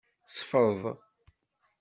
Sfeḍ.